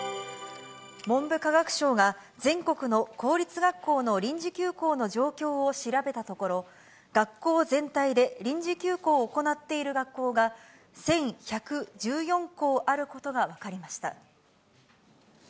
文部科学省が全国の公立学校の臨時休校の状況を調べたところ、学校全体で臨時休校を行っている学校が、１１１４校あることが分かりました。